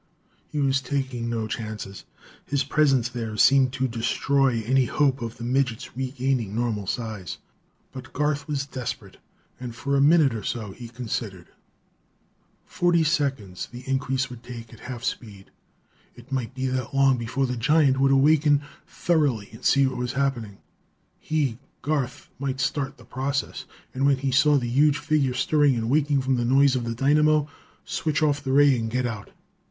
He was taking no chances; his presence there seemed to destroy any hope of the midget's regaining normal size. But Garth was desperate, and for a minute or so he considered. Forty seconds, the increase would take, at half speed. It might be that long before the giant would waken thoroughly and see what was happening. He, Garth, might start the process, and, when he saw the huge figure stirring and waking from the noise of the dynamo, switch off the ray and get out.